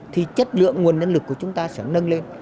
thì chất lượng nguồn nhân lực của chúng ta sẽ nâng lên